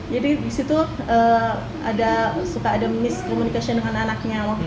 jadi disitu ada miscommunication dengan anaknya